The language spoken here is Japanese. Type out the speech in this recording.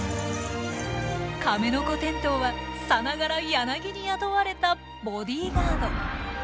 カメノコテントウはさながらヤナギに雇われたボディガード。